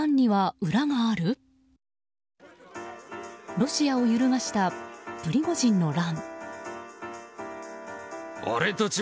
ロシアを揺るがしたプリゴジンの乱。